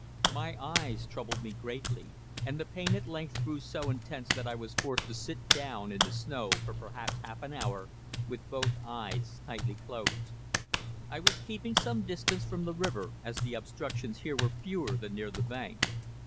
My eyes troubled me greatly, and the pain at length grew so intense that I was forced to sit down in the snow for perhaps half an hour with both eyes tightly closed. I was keeping some distance from the river, as the obstructions here were fewer than near the bank.